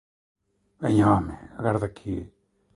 Veña, home, agarda que...?